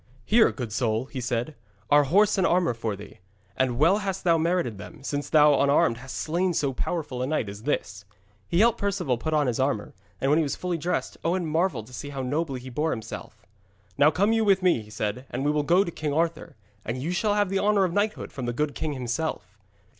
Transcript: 'Here, good soul,' he said, 'are horse and armour for thee. And well hast thou merited them, since thou unarmed hast slain so powerful a knight as this.' He helped Perceval put on his armour, and when he was fully dressed Owen marvelled to see how nobly he bore himself. 'Now come you with me,' he said, 'and we will go to King Arthur, and you shall have the honour of knighthood from the good king himself.'